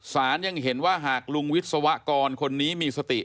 ยังเห็นว่าหากลุงวิศวกรคนนี้มีสติ